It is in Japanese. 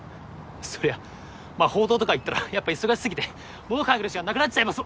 そりゃまあ報道とか行ったらやっぱ忙しすぎてもの考える時間なくなっちゃいます。